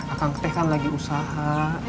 akang teh kan lagi usaha